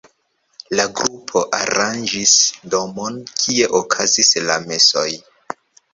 La grupo aranĝis domon, kie okazis la mesoj.